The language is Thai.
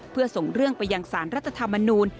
เพื่อส่งเรื่องประยังศาลรัฐธรรมนุน